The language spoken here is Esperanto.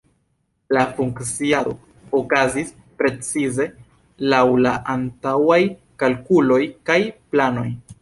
La funkciado okazis precize laŭ la antaŭaj kalkuloj kaj planoj.